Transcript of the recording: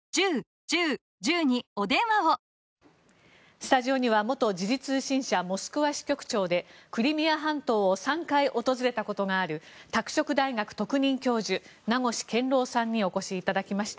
スタジオには元時事通信社モスクワ支局長でクリミア半島を３回訪れたことがある拓殖大学特任教授名越健郎さんにお越しいただきました。